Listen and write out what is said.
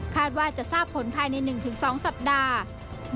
ว่าจะทราบผลภายใน๑๒สัปดาห์